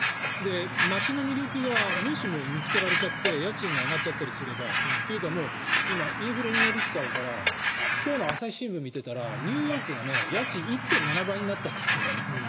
街の魅力がもしも見つけられちゃって家賃が上がっちゃったりすればというか今、インフレになりつつあるから今日の朝日新聞見ていたらニューヨークが家賃１．７倍になったっていうんだよね。